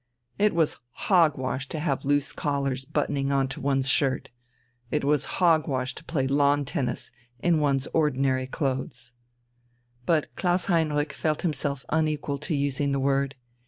It was hog wash to have loose collars buttoning on to one's shirt. It was hog wash to play lawn tennis in one's ordinary clothes. But Klaus Heinrich felt himself unequal to using the word.